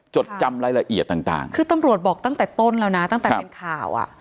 จดจำรายละเอียดต่างต่างคือตำรวจบอกตั้งแต่ต้นแล้วนะตั้งแต่เป็นข่าวอ่ะ